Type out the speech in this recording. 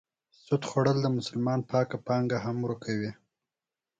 سود خوړل د مسلمان پاکه پانګه هم ورکوي.